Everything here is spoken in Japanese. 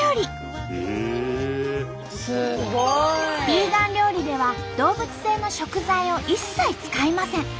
ビーガン料理では動物性の食材を一切使いません。